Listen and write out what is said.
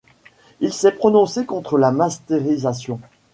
Il s'est prononcé contre la mastérisation.